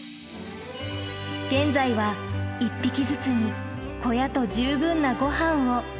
現在は１匹ずつに、小屋と十分なごはんを。